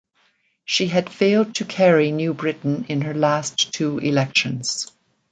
She had failed to carry New Britain in her last two elections.